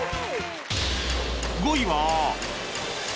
５位は